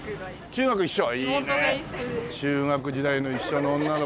中学時代の一緒の女の子とね。